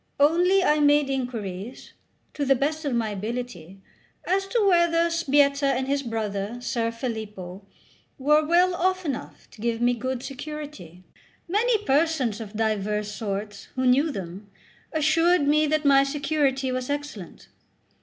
Only I made inquiries, to the best of my ability, as to whether Sbietta and his brother Ser Filippo were well off enough to give me good security. Many persons of divers sorts, who knew them, assured me that my security was excellent.